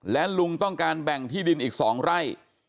และลุงต้องการแบ่งที่ดินอีก๒ไร่